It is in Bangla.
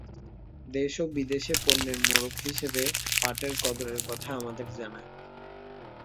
দেশে ও বিদেশে পণ্যের মোড়ক হিসেবে পাটের কদরের কথা আমাদের জানা।